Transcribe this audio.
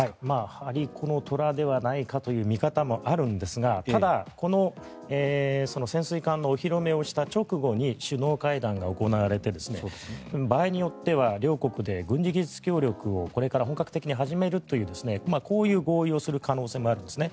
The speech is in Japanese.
張り子の虎ではないかという見方もあるんですがただ、この潜水艦のお披露目をした直後に首脳会談が行われて場合によっては両国で軍事技術協力をこれから本格的に始めるというこういう合意をする可能性もあるんですね。